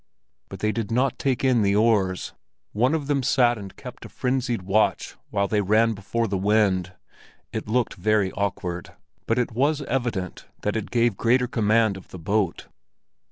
But they did not take in the oars. One of them sat and kept a frenzied watch while they ran before the wind. It looked very awkward, but it was evident that it gave greater command of the boat.